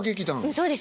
そうです